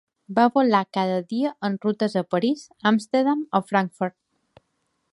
Va volar cada dia en rutes a París, Amsterdam o Frankfurt.